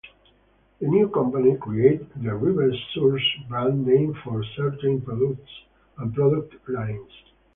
The new company created the RiverSource brand name for certain products and product lines.